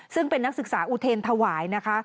ซึ่งเป็นนักศึกษาอุเทรนถวายนะคะ